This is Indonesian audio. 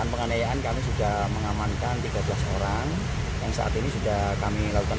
penganiayaan kami sudah mengamankan tiga belas orang yang saat ini sudah kami lakukan